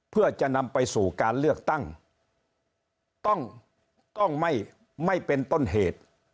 เพื่อจะนำไปสู่การเลือกตั้งต้องไม่เป็นต้นเหตุ